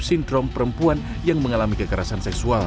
sindrom perempuan yang mengalami kekerasan seksual